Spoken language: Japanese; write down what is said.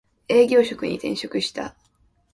営業職に転職した